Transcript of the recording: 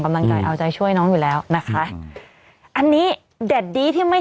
กำลังใจเอาใจช่วยน้องอยู่แล้วนะคะอันนี้เด็ดดีที่ไม่